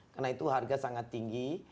karena itu harga sangat tinggi